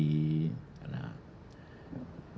kemudian saya dijelaskan bahwa itu